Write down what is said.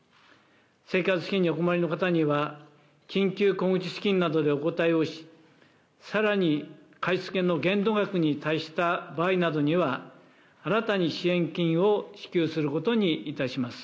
生活資金にお困りの方には、緊急小口資金などでお応えをし、さらに貸し付けの限度額に達した場合などには、新たに支援金を支給することにいたします。